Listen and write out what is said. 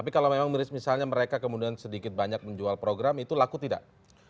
tapi kalau memang misalnya mereka kemudian sedikit banyak menjual program itu laku tidak